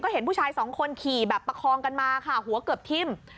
เห็นผู้ชายสองคนขี่แบบประคองกันมาค่ะหัวเกือบทิ้ม